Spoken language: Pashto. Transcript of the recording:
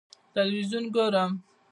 ه تلویزیون ګورم.